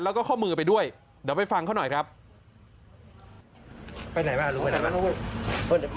แล้วก็เข้ามือไปด้วยเดี๋ยวไปฟังเขาหน่อยครับไปไหนบ้างรู้ไปไหนบ้าง